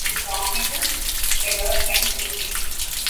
Its dominical letter hence is B.